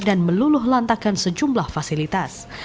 dan meluluh lantakan sejumlah fasilitas